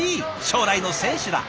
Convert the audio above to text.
将来の選手だ！